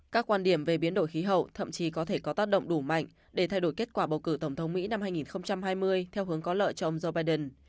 các quan điểm về biến đổi khí hậu thậm chí có thể có tác động đủ mạnh để thay đổi kết quả bầu cử tổng thống mỹ năm hai nghìn hai mươi theo hướng có lợi cho ông joe biden